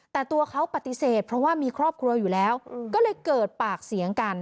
แต่ตัวเขาปฏิเสธเพราะว่ามีครอบครัวอยู่แล้วก็เลยเกิดปากเสียงกัน